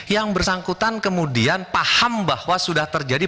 yang bersangkutan kemudian paham bahwa sudah terjadi